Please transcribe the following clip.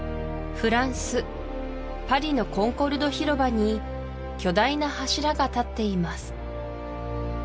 フランスパリのコンコルド広場に巨大な柱が立っています